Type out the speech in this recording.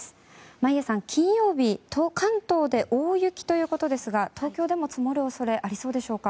眞家さん、金曜日関東で大雪ということですが東京でも積もる恐れありそうでしょうか？